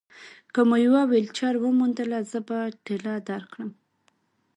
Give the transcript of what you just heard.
که مو یوه ویلچېر وموندله، زه به ټېله درکړم.